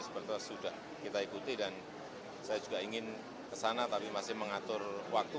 seperti sudah kita ikuti dan saya juga ingin kesana tapi masih mengatur waktu